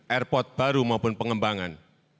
airport baru maupun pengembangan